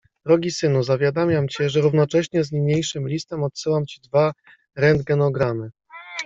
„Drogi Synu! Zawiadamiam cię, że równocześnie z niniejszym listem odsyłam ci dwa rentgenogramy.